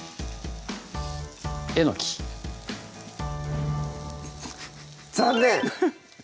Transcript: えのき残念！